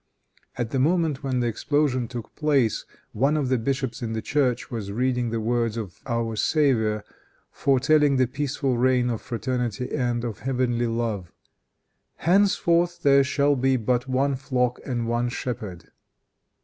At the moment when the explosion took place, one of the bishops in the church was reading the words of our Saviour foretelling the peaceful reign of fraternity and of heavenly love, "Henceforth there shall be but one flock and one shepherd."